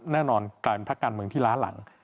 กลายเป็นพักการเมืองที่ล้าหลัง